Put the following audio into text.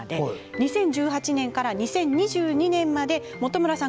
２０１８年から２０２２年までモトムラさん